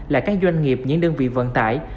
là các doanh nghiệp những đơn vị vận tải